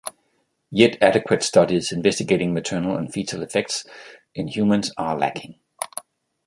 Yet adequate studies investigating maternal and fetal effects in humans are lacking.